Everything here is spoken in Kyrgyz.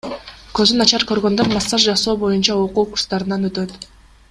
Көзү начар көргөндөр массаж жасоо боюнча окуу курстарынан өтөт.